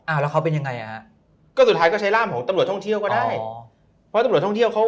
อ่าแล้วเค้าเป็นยังไง